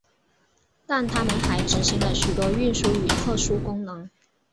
但他们还执行了许多运输和特殊功能。